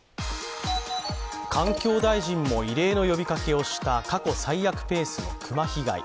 環境大臣も異例の呼びかけをした過去最悪ペースの熊被害。